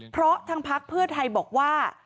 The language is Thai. เพราะทางพักเพื่อไทยบอกว่า